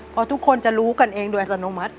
เพราะทุกคนจะรู้กันเองโดยอัตโนมัติ